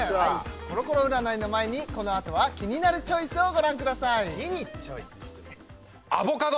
コロコロ占いの前にこのあとはキニナルチョイスをご覧ください